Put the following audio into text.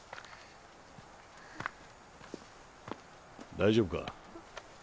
大丈夫か？